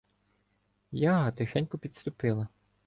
Яга тихенько підступила